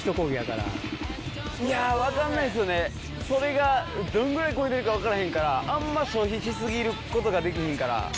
それがどんぐらいこいでるか分からへんからあんま消費し過ぎることができひんから。